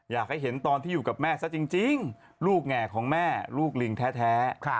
อยากให้เห็นตอนที่อยู่กับแม่ซะจริงลูกแง่ของแม่ลูกลิงแท้